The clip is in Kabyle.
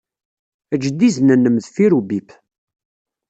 Eǧǧ-d izen-nnem deffir ubip.